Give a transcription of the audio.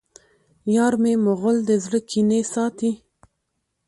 یارمی مغل د زړه کینې ساتي